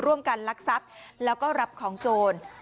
ร่วมกันรักษัตริย์แล้วก็รับของโจร